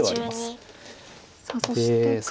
さあそして黒が。